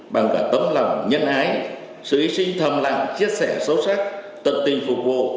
bằng cả tâm lòng nhân ái sự ý sinh thầm lặng chia sẻ sâu sắc tận tình phục vụ